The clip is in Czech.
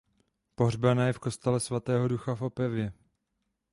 Pohřbena je v kostele svatého Ducha v Opavě.